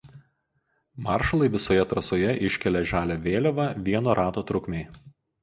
Maršalai visoje trasoje iškelia žalią vėliavą vieno rato trukmei.